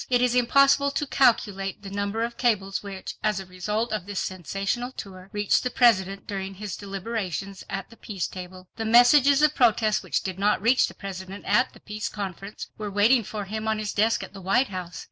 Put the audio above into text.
It is impossible to calculate the number of cables which, as a result of this sensational tour, reached the President during his deliberations at the Peace Table. The messages of protest which did not reach the President at the Peace Conference were waiting for him on his desk at the White House.